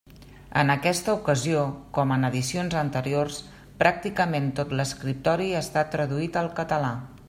En aquesta ocasió, com en edicions anteriors, pràcticament tot l'escriptori està traduït al català.